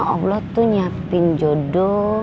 allah tuh siapin jodoh